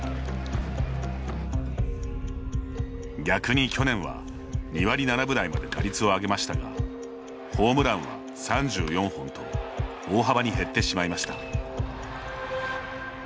逆に去年は２割７分台まで打率を上げましたがホームランは３４本と大幅に減ってしまいました。